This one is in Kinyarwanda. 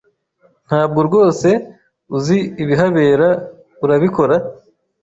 Ntabwo rwose uzi ibihabera, urabikora?